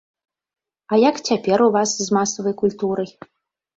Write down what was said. А як цяпер у вас з масавай культурай?